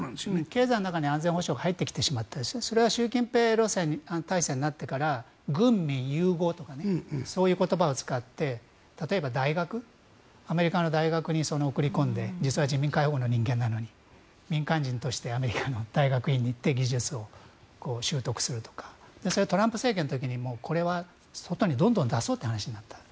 経済の中に安全保障が入ってきてしまってそれは習近平体制になってから軍民融合とかそういう言葉を使って、例えばアメリカの大学に送り込んで実は人民解放の人間なのに民間人としてアメリカの大学院に行って技術を習得するトランプ政権の時にこれはどんどん外に出そうとなった。